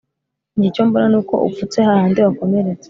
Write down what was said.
Njye icyo mbona nuko upfutse hahandi wakomeretse